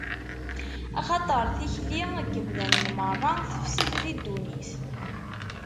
Axaṭer tikli n yemdanen meṛṛa tefsed di ddunit.